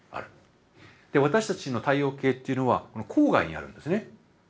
私たちの太陽系っていうのはこの郊外にあるんですね。